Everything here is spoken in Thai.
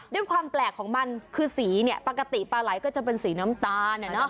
ด้วยความแปลกของมันคือสีเนี่ยปกติปลาไหลก็จะเป็นสีน้ำตาล